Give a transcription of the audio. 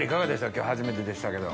今日初めてでしたけど。